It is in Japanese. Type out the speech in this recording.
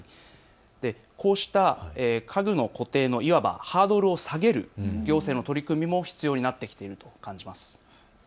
こうした家具の固定のいわばハードルを下げる行政の取り組みも必要になってきていると感じます。